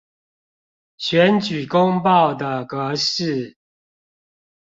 選舉公報的格式